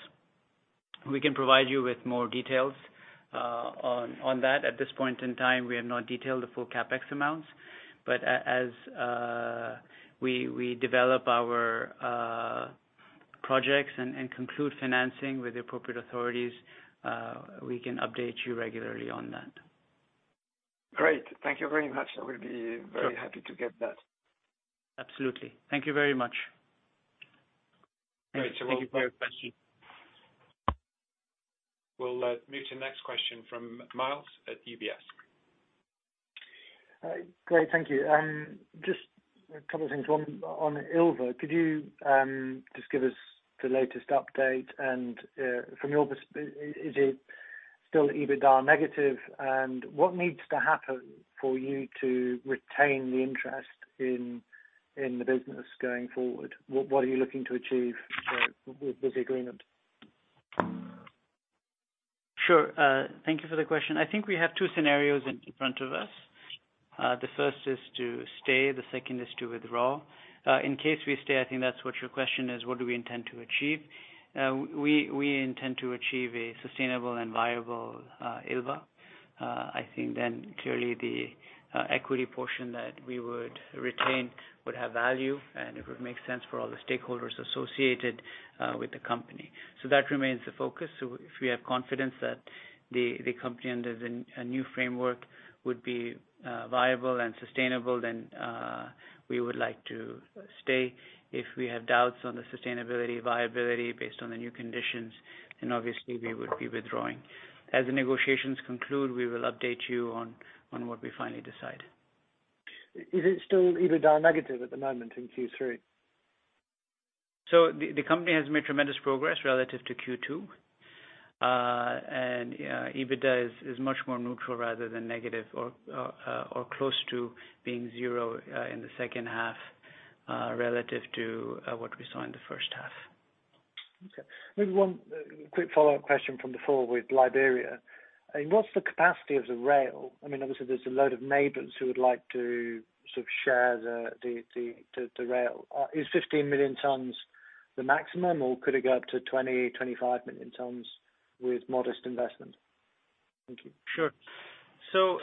We can provide you with more details on that. At this point in time, we have not detailed the full CapEx amounts, but as we develop our projects and conclude financing with the appropriate authorities, we can update you regularly on that. Great. Thank you very much. I will be very happy to get that. Absolutely. Thank you very much. Thanks. Thank you for your question. We'll move to the next question from Myles at UBS. Great, thank you. Just a couple of things. One on Ilva. Could you just give us the latest update, and from your perspective, is it still EBITDA negative? What needs to happen for you to retain the interest in the business going forward? What are you looking to achieve with the agreement? Sure. Thank you for the question. I think we have two scenarios in front of us. The 1st is to stay, the second is to withdraw. In case we stay, I think that's what your question is, what do we intend to achieve? We intend to achieve a sustainable and viable Ilva. I think then clearly the equity portion that we would retain would have value, and it would make sense for all the stakeholders associated with the company. That remains the focus. If we have confidence that the company under the new framework would be viable and sustainable, then we would like to stay. If we have doubts on the sustainability viability based on the new conditions, then obviously we would be withdrawing. As the negotiations conclude, we will update you on what we finally decide. Is it still EBITDA negative at the moment in Q3? The company has made tremendous progress relative to Q2. EBITDA is much more neutral rather than negative, or close to being zero in the second half relative to what we saw in the first half. Okay. Maybe one quick follow-up question from before with Liberia. What's the capacity of the rail? Obviously, there's a load of neighbors who would like to sort of share the rail. Is 15 million tons the maximum, or could it go up to 20 million tons, 25 million tons with modest investment? Thank you. Sure.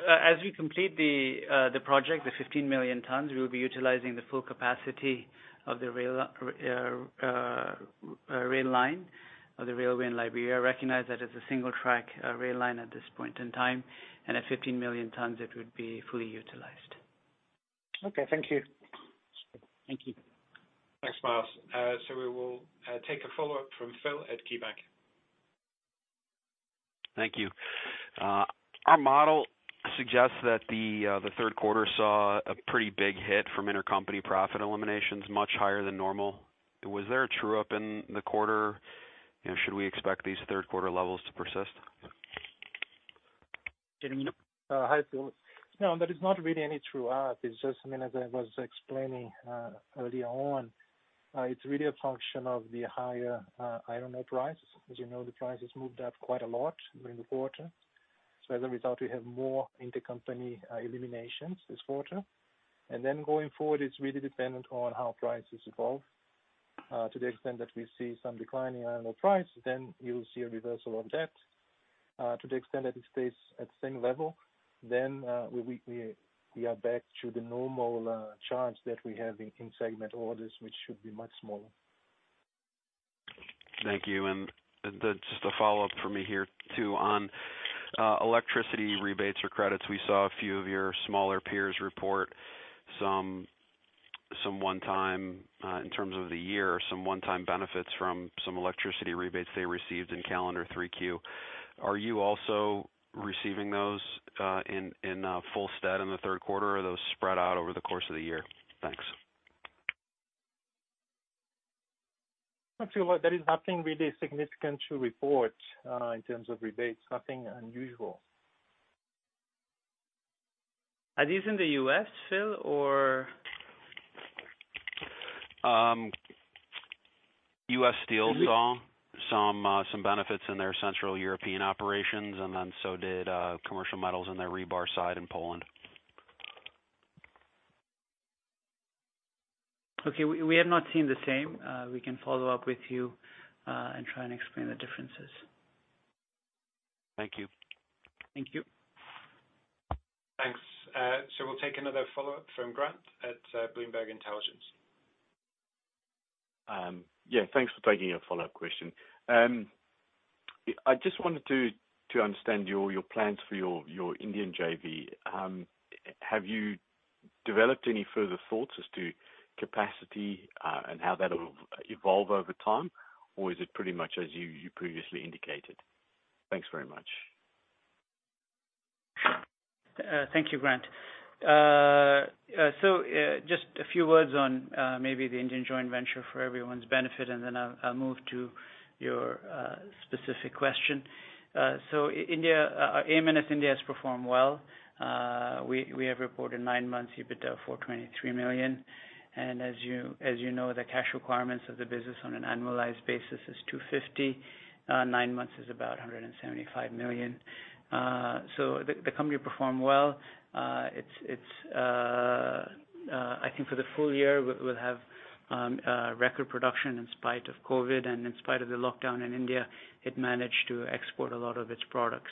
As we complete the project, the 15 million tons, we will be utilizing the full capacity of the rail line, of the railway in Liberia. I recognize that it's a single-track rail line at this point in time. At 15 million tons, it would be fully utilized. Okay, thank you. Thank you. Thanks, Myles. We will take a follow-up from Phil at KeyBanc. Thank you. Our model suggests that the third quarter saw a pretty big hit from intercompany profit eliminations much higher than normal. Was there a true-up in the quarter? Should we expect these third quarter levels to persist? getting you. Hi, Phil. No, there is not really any true-up. It's just, as I was explaining earlier on, it's really a function of the higher iron ore prices. As you know, the price has moved up quite a lot during the quarter. As a result, we have more intercompany eliminations this quarter. Going forward, it's really dependent on how prices evolve. To the extent that we see some decline in iron ore price, then you'll see a reversal of that. To the extent that it stays at the same level, then we are back to the normal charge that we have in segment orders, which should be much smaller. Thank you. Just a follow-up from me here, too, on electricity rebates or credits. We saw a few of your smaller peers report, in terms of the year, some one-time benefits from some electricity rebates they received in calendar 3Q. Are you also receiving those in full stead in the third quarter, or are those spread out over the course of the year? Thanks. Actually, there is nothing really significant to report in terms of rebates, nothing unusual. Are these in the U.S., Phil, or? U.S. Steel saw some benefits in their Central European operations, and then so did Commercial Metals in their rebar side in Poland. Okay. We have not seen the same. We can follow up with you and try and explain the differences. Thank you. Thank you. Thanks. We'll take another follow-up from Grant at Bloomberg Intelligence. Yeah, thanks for taking a follow-up question. I just wanted to understand your plans for your Indian JV. Have you developed any further thoughts as to capacity and how that will evolve over time? Or is it pretty much as you previously indicated? Thanks very much. Thank you, Grant. Just a few words on maybe the Indian joint venture for everyone's benefit, and then I'll move to your specific question. Our AM/NS India has performed well. We have reported nine months EBITDA of $423 million, and as you know, the cash requirements of the business on an annualized basis is $250 million. Nine months is about $175 million. The company performed well. I think for the full year, we'll have record production in spite of COVID and in spite of the lockdown in India, it managed to export a lot of its products.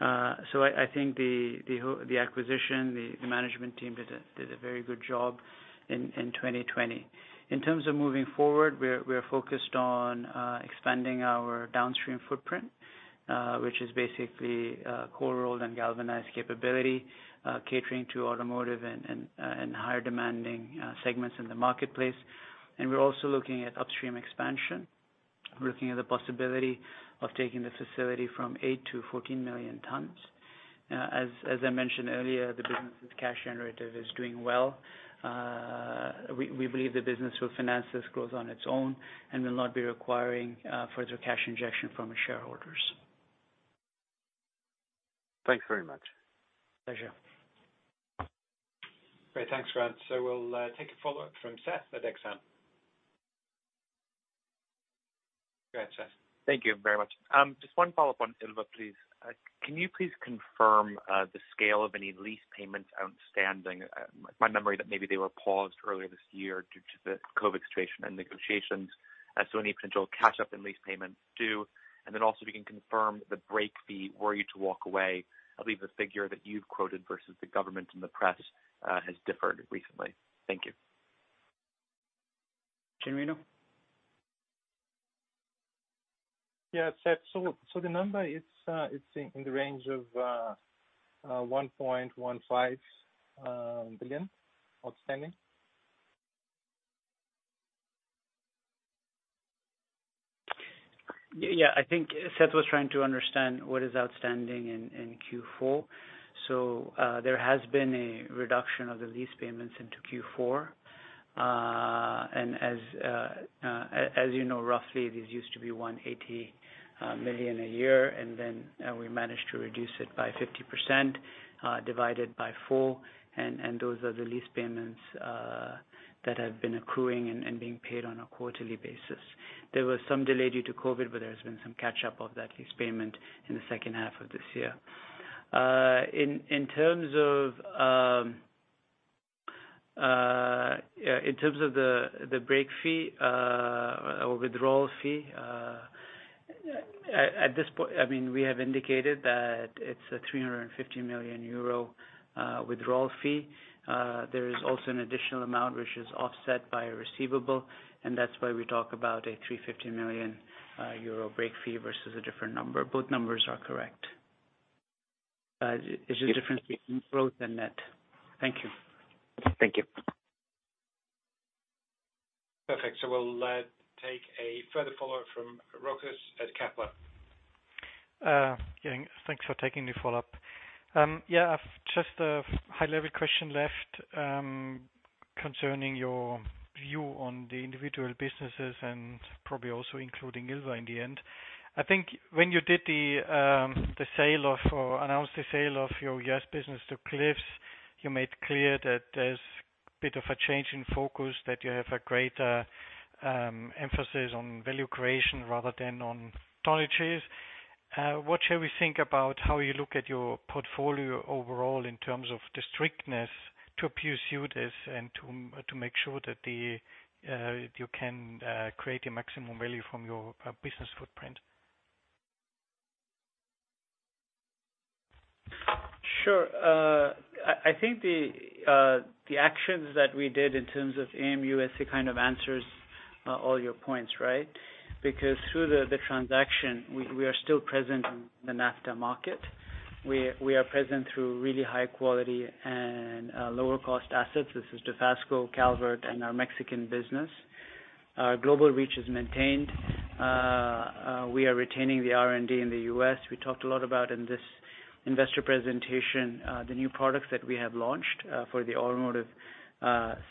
I think the acquisition, the management team did a very good job in 2020. In terms of moving forward, we're focused on expanding our downstream footprint, which is basically cold roll and galvanized capability, catering to automotive and higher demanding segments in the marketplace. We're also looking at upstream expansion. We're looking at the possibility of taking the facility from eight to 14 million tons. As I mentioned earlier, the business is cash generative, is doing well. We believe the business will finance this growth on its own and will not be requiring further cash injection from its shareholders. Thanks very much. Pleasure. Great. Thanks, Grant. We'll take a follow-up from Seth at Exane. Go ahead, Seth. Thank you very much. Just one follow-up on Ilva, please. Can you please confirm the scale of any lease payments outstanding? My memory that maybe they were paused earlier this year due to the COVID situation and negotiations. Any potential catch-up in lease payments due? If you can confirm the break fee were you to walk away. I believe the figure that you've quoted versus the government and the press has differed recently. Thank you. Genuino? Yeah, Seth. The number, it's in the range of $1.15 billion outstanding. I think Seth was trying to understand what is outstanding in Q4. As you know, roughly, this used to be 180 million a year, we managed to reduce it by 50%, divided by four, those are the lease payments that have been accruing and being paid on a quarterly basis. There was some delay due to COVID, there has been some catch-up of that lease payment in the second half of this year. In terms of the break fee or withdrawal fee, at this point, we have indicated that it's a 350 million euro withdrawal fee. There is also an additional amount which is offset by a receivable, that's why we talk about a 350 million euro break fee versus a different number. Both numbers are correct. It's just difference between growth and net. Thank you. Thank you. Perfect. We'll take a further follow-up from Rochus at Kepler. Thanks for taking the follow-up. Yeah, I've just a high-level question left. Concerning your view on the individual businesses and probably also including Ilva in the end. I think when you announced the sale of your U.S. business to Cliffs, you made clear that there is a bit of a change in focus, that you have a greater emphasis on value creation rather than on tonnages. What shall we think about how you look at your portfolio overall in terms of the strictness to pursue this and to make sure that you can create a maximum value from your business footprint? Sure. I think the actions that we did in terms of AM USA kind of answers all your points, right? Through the transaction, we are still present in the NAFTA market. We are present through really high quality and lower cost assets. This is Dofasco, Calvert, and our Mexican business. Our global reach is maintained. We are retaining the R&D in the U.S. We talked a lot about, in this investor presentation, the new products that we have launched for the automotive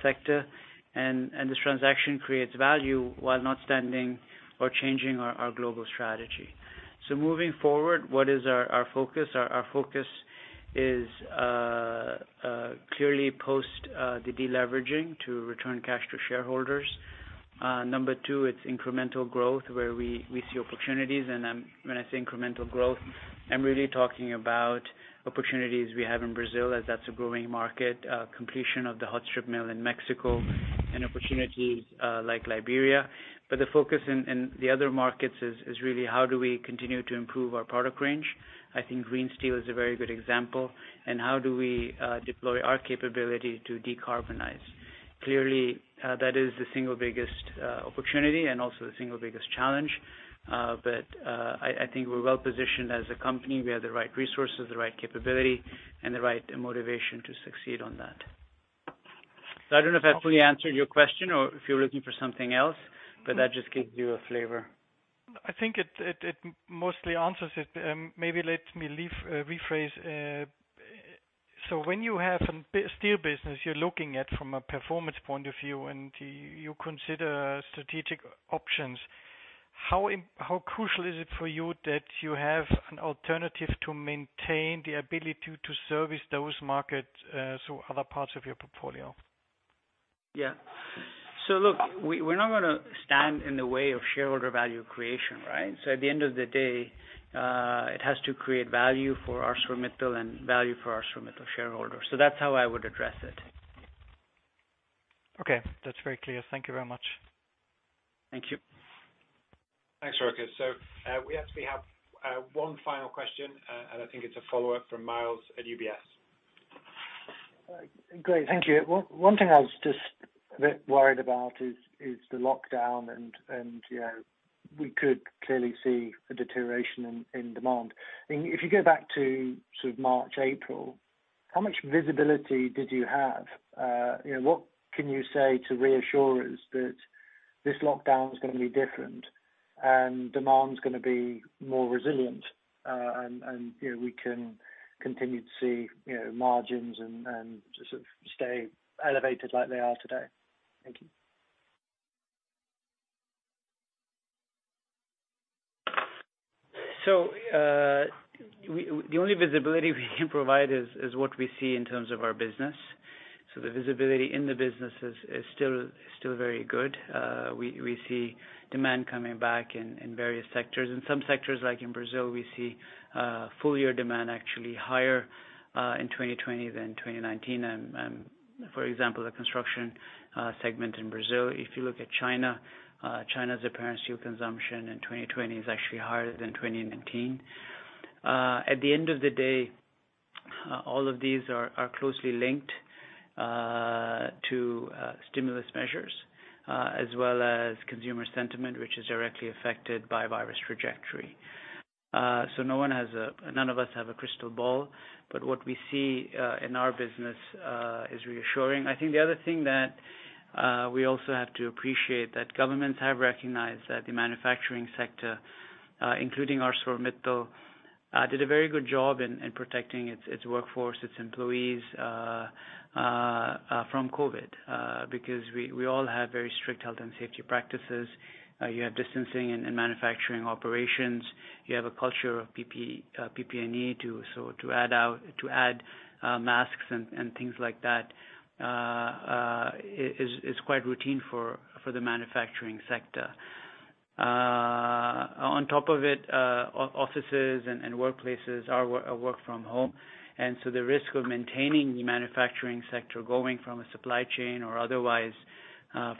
sector. This transaction creates value while not standing or changing our global strategy. Moving forward, what is our focus? Our focus is clearly post the de-leveraging to return cash to shareholders. Number two, it's incremental growth where we see opportunities. When I say incremental growth, I'm really talking about opportunities we have in Brazil as that's a growing market, completion of the hot strip mill in Mexico, and opportunities like Liberia. The focus in the other markets is really how do we continue to improve our product range? I think green steel is a very good example. How do we deploy our capability to decarbonize? Clearly, that is the single biggest opportunity and also the single biggest challenge. I think we're well positioned as a company. We have the right resources, the right capability, and the right motivation to succeed on that. I don't know if that fully answered your question or if you're looking for something else, but that just gives you a flavor. I think it mostly answers it. Maybe let me rephrase. When you have a steel business you're looking at from a performance point of view and you consider strategic options, how crucial is it for you that you have an alternative to maintain the ability to service those markets through other parts of your portfolio? Yeah. Look, we're not gonna stand in the way of shareholder value creation, right? At the end of the day, it has to create value for ArcelorMittal and value for ArcelorMittal shareholders. That's how I would address it. Okay. That's very clear. Thank you very much. Thank you. Thanks. <inaudible> We actually have one final question, and I think it's a follow-up from Myles at UBS. Great. Thank you. One thing I was just a bit worried about is the lockdown, and we could clearly see a deterioration in demand. If you go back to March, April, how much visibility did you have? What can you say to reassure us that this lockdown is gonna be different and demand is gonna be more resilient, and we can continue to see margins and just sort of stay elevated like they are today? Thank you. The only visibility we can provide is what we see in terms of our business. The visibility in the business is still very good. We see demand coming back in various sectors. In some sectors, like in Brazil, we see full year demand actually higher in 2020 than 2019. For example, the construction segment in Brazil. If you look at China's apparent steel consumption in 2020 is actually higher than 2019. At the end of the day, all of these are closely linked to stimulus measures as well as consumer sentiment, which is directly affected by virus trajectory. None of us have a crystal ball, but what we see in our business is reassuring. I think the other thing that we also have to appreciate that governments have recognized that the manufacturing sector including ArcelorMittal, did a very good job in protecting its workforce, its employees from COVID. We all have very strict health and safety practices. You have distancing and manufacturing operations. You have a culture of PPE too. To add masks and things like that is quite routine for the manufacturing sector. On top of it, offices and workplaces are work from home, the risk of maintaining the manufacturing sector going from a supply chain or otherwise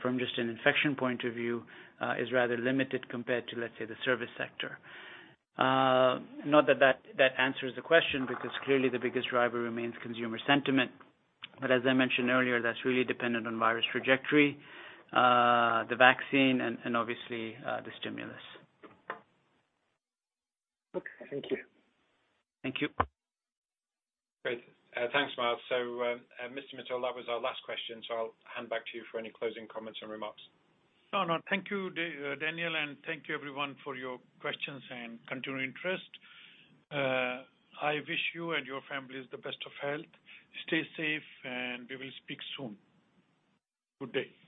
from just an an infection point of view is rather limited compared to, let's say, the service sector. Not that that answers the question, because clearly the biggest driver remains consumer sentiment. As I mentioned earlier, that's really dependent on virus trajectory, the vaccine, and obviously, the stimulus. Okay. Thank you. Thank you. Great. Thanks, Myles. Mr. Mittal, that was our last question. I'll hand back to you for any closing comments and remarks. No, thank you, Daniel, and thank you everyone for your questions and continued interest. I wish you and your families the best of health. Stay safe, and we will speak soon. Good day.